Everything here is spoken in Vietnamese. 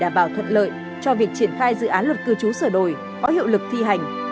đảm bảo thuận lợi cho việc triển khai dự án luật cư trú sửa đổi có hiệu lực thi hành